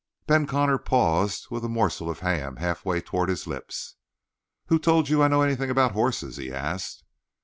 Ben Connor paused with a morsel of ham halfway toward his lips. "Who told you I know anything about horses?" he asked.